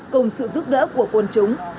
cùng sự giúp đỡ của quân chúng